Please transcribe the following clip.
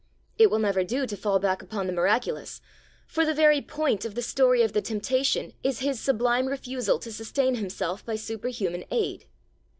It will never do to fall back upon the miraculous, for the very point of the story of the Temptation is His sublime refusal to sustain Himself by superhuman aid.